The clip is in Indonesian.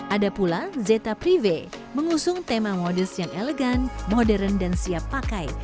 ada pula zeta prive mengusung tema modus yang elegan modern dan siap pakai